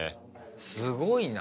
すごいな。